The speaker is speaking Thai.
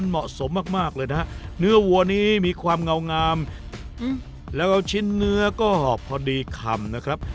มันขึ้นมาเลยครับ